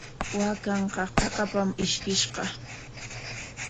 Waakanqa qaqapam ishkiskishqa.